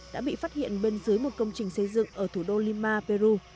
đã bị phát hiện bên dưới một công trình xây dựng ở thủ đô lima peru